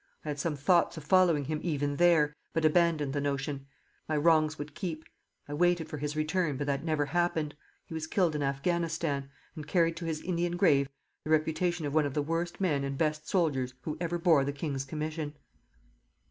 I had some thoughts of following him even there, but abandoned the notion. My wrongs would keep. I waited for his return, but that never happened. He was killed in Afghanistan, and carried to his Indian grave the reputation of one of the worst men and best soldiers who ever bore the king's commission."